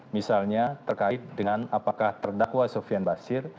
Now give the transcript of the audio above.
misalnya terkait dengan apakah terdakwa sofian basir